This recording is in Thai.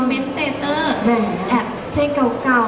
มีปิดฟงปิดไฟแล้วถือเค้กขึ้นมา